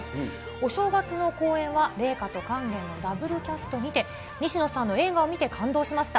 お正月の公演は、麗禾と勸玄のダブルキャストにて、西野さんの映画を見て感動しました。